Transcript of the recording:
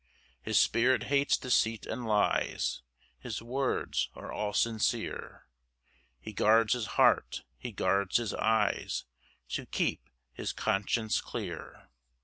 3 His spirit hates deceit and lies, His words are all sincere; He guards his heart, he guards his eyes, To keep his conscience clear.